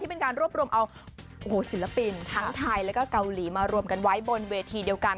เป็นการรวบรวมเอาศิลปินทั้งไทยแล้วก็เกาหลีมารวมกันไว้บนเวทีเดียวกัน